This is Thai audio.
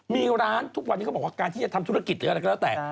มีร้านทุกวันนี้เขาบอกว่าการที่จะทำธุรกิจหรืออะไรก็แล้วแต่